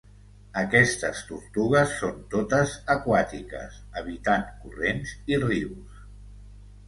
Aquestes tortugues són totes aquàtiques, habitant corrents i rius.